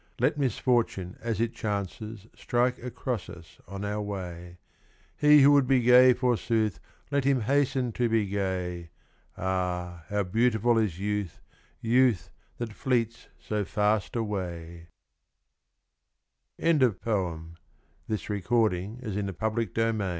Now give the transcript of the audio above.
Let misfortune as it chances Strike across us on our way : He who would be gay, forsooth, Let him hasten to be gay. Ah, how beautiful is youth, Youth that fleets so fast away I THE FIFTH BOOK OF SONG